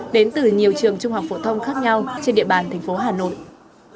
đến từ nhiều trường trung học phổ thông khác nhau trên địa bàn thành phố hà nội